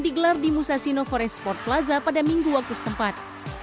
digelar di musasino forest sport plaza pada minggu waktu setempat